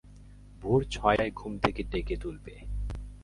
ভোর ছয়টায় ঘুম থেকে ডেকে তুলবে।